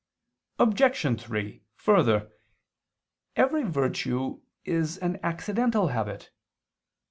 Obj. 3: Further, every virtue is an accidental habit.